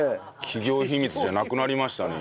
企業秘密じゃなくなりましたね